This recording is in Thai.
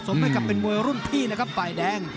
สมให้กลับเป็นมวยรุ่นพี่นะครับไบดัง